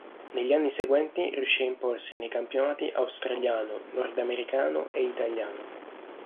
Negli anni seguenti riuscì ad imporsi nei campionati australiano, nordamericano e italiano.